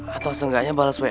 atau seenggaknya balas wa gue